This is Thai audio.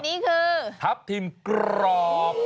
อันนี้คือทับทิมกรอบ